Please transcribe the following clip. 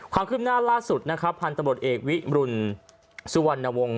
ความขึ้นหน้าล่าสุดพันธบริกษ์เอกวิรุณสุวรรณวงศ์